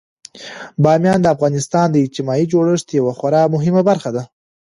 بامیان د افغانستان د اجتماعي جوړښت یوه خورا مهمه برخه ده.